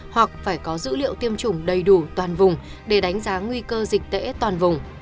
hoặc phải có dữ liệu tiêm chủng đầy đủ toàn vùng để đánh giá nguy cơ dịch tễ toàn vùng